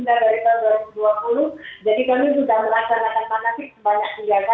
jadi kami sudah merangkang rangkang manasik sebanyak tiga kali pak